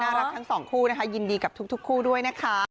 รักทั้งสองคู่นะคะยินดีกับทุกคู่ด้วยนะคะ